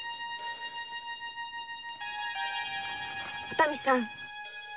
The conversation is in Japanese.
お民さん